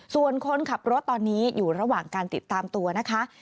ส่วนคนขับรถตอนนี้อยู่ระหว่างการติดตามตัวนะคะ